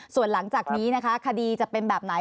ส่วนหลังจากนี้นะคะคดีจะเป็นแบบไหน